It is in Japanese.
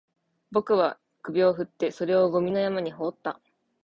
僕は首を振って、それをゴミの山に放った